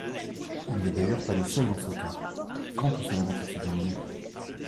Il n'est d'ailleurs pas le seul dans ce cas. Quand tout cela va-t-il se terminer?